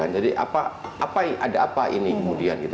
jadi ada apa ini kemudian